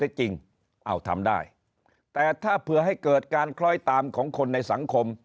จริงอ้าวทำได้แต่ถ้าเผื่อให้เกิดการคล้อยตามของคนในสังคม